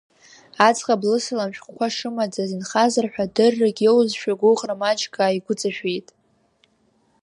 Аӡӷаб лысалам шәҟәқәа шымаӡаз инхазар ҳәа, дыррак иоузшәа, гәыӷра маҷк ааигәыҵашәеит.